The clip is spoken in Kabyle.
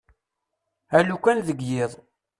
Alukan deg yiḍ.